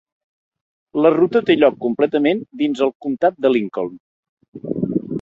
La ruta té lloc completament dins del comtat de Lincoln.